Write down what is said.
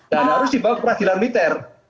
dan harus dibawa ke peradilan militer